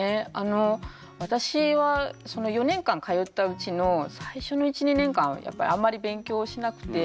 私はその４年間通ったうちの最初の１２年間はやっぱりあんまり勉強しなくて。